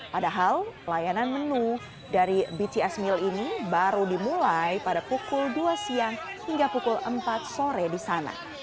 padahal pelayanan menu dari bts meal ini baru dimulai pada pukul dua siang hingga pukul empat sore di sana